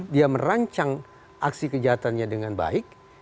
dia merancang aksi kejahatannya dengan baik